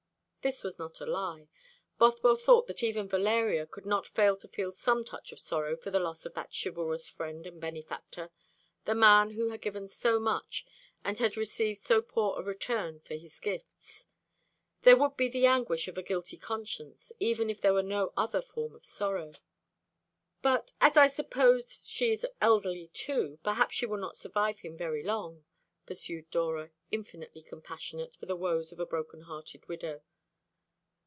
This was not a lie. Bothwell thought that even Valeria could not fail to feel some touch of sorrow for the loss of that chivalrous friend and benefactor, the man who had given so much, and had received so poor a return for his gifts. There would be the anguish of a guilty conscience; even if there were no other form of sorrow. "But, as I suppose she is elderly too, perhaps she will not survive him very long," pursued Dora, infinitely compassionate for the woes of a broken hearted widow.